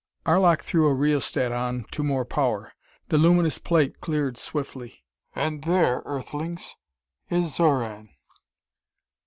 Arlok threw a rheostat on to more power. The luminous plate cleared swiftly. "And there, Earthlings, is Xoran!"